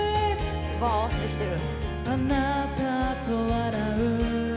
バー合わせてきてる。